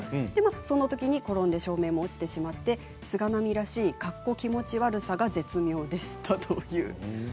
このときに転んで照明も落ちてしまって菅波らしいかっこ気持ち悪さが絶妙でしたということです。